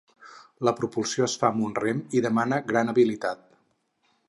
La propulsió es fa amb un rem i demana gran habilitat.